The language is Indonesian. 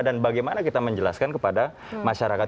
dan bagaimana kita menjelaskan kepada masyarakat